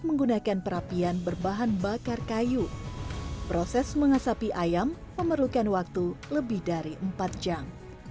menggunakan perapian berbahan bakar kayu proses mengasapi ayam memerlukan waktu lebih dari empat jam